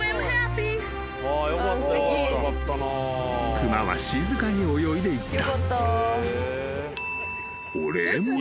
［熊は静かに泳いでいった］